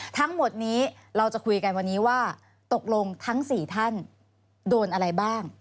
ทั้งหมดนี้เราจะคุยกันวันนี้ว่าตกลงทั้ง๔ท่านโดนอะไรบ้าง